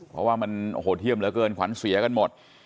เพราะว่ามันโหดเยี่ยมเหลือเกินขวัญเสียกันหมด